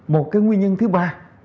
một cái nguyên nhân thứ ba